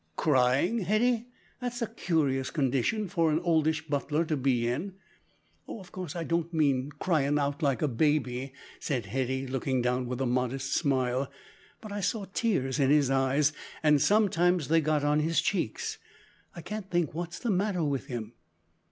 "Crying! Hetty, that's a curious condition for an oldish butler to be in." "Oh, of course I don't mean cryin' out like a baby," said Hetty, looking down with a modest smile, "but I saw tears in his eyes, and sometimes they got on his cheeks. I can't think what's the matter with him."